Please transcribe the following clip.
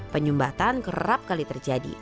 penyumbatan kerap kali terjadi